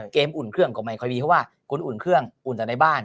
อุ่นเครื่องก็ไม่ค่อยมีเพราะว่าคุณอุ่นเครื่องอุ่นแต่ในบ้าน